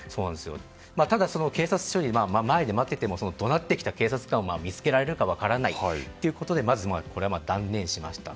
ただその警察署の前で待っていても怒鳴ってきた警察官を見つけられるか分からないということでこれは断念しました。